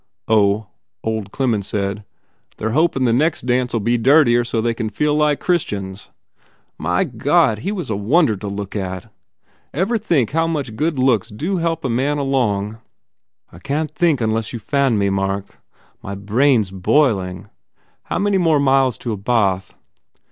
Oh, old Clemens said, they re hoping the next dance ll be dirtier so they can feel like Christians. My 185 THE FAIR REWARDS God, he was a wonder to look at! Ever think how much good looks do help a man along?" "I can t think unless you fan me, Mark. My brain s boiling. How many more miles to a bath?"